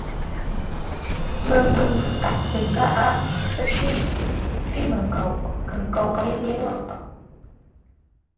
Məngwʉ̂ kâp tə nkáa, ə́ shíʼ; cwímənkoʼ kə̂ nkóʼ yé lə́wó.